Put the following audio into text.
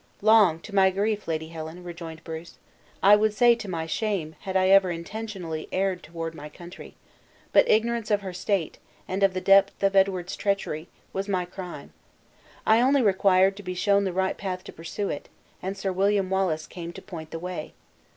"Long, to my grief, Lady Helen," rejoined Bruce; "I would say to my shame had I ever intentionally erred toward my country; but ignorance of her state, and of the depth of Edward's treachery, was my crime. I only required to be shown the right path to pursue it, and Sir William Wallace came to point the way.